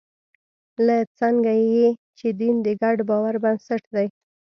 لکه څنګه چې دین د ګډ باور بنسټ دی.